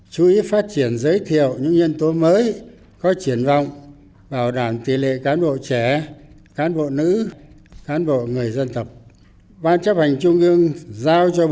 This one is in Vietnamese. chú ý phát triển giới thiệu những nhân tố mới có triển vọng bảo đảm tỷ lệ cán bộ trẻ cán bộ nữ cán bộ người dân tộc